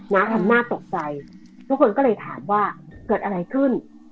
ทำหน้าตกใจทุกคนก็เลยถามว่าเกิดอะไรขึ้น